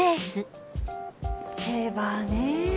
シェーバーねぇ。